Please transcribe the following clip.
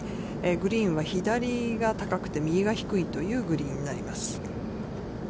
グリーンは左が高くて、右が低いというグリーンになります。